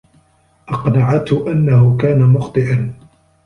أقنعته أنه كان مخطئا.